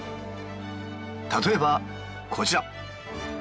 例えばこちら。